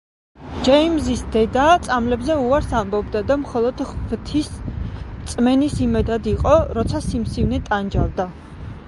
ჯეიმზის დედა წამლებზე უარს ამბობდა და მხოლოდ ღვთის რწმენის იმედად იყო, როცა სიმსივნე ტანჯავდა.